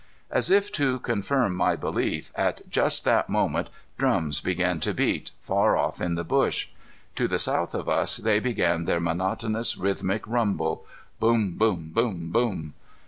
As if to confirm my belief, at just that moment, drums began to beat, far off in the bush. To the south of us they began their monotonous, rhythmic rumble. Boom, boom, boom, boom!